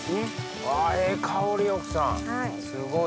ええ香り奧さんすごい！